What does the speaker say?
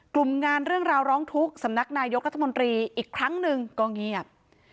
กลุ่มงานเรื่องราวร้องทุกข์สำนักนายกรัฐมนตรีอีกครั้งหนึ่งก็เงียบ